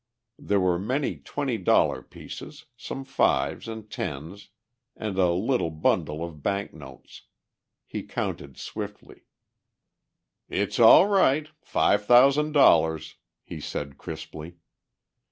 There were many twenty dollar pieces, some fives and tens and a little bundle of bank notes. He counted swiftly. "It's all right. Five thousand dollars," he said crisply.